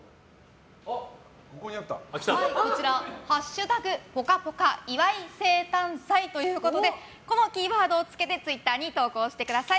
こちら「＃ぽかぽか岩井生誕祭」ということでこのキーワードをつけてツイッターに投稿してください。